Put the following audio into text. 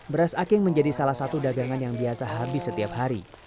beras aking menjadi salah satu dagangan yang biasa habis setiap hari